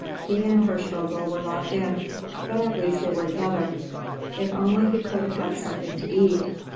He and Hirschvogel were locked in, but at least they were together. If only he could have had something to eat!